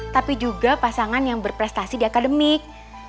tapi juga pasangan yang berprestasi di akademik